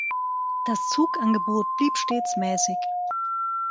Das Zugangebot blieb stets mäßig.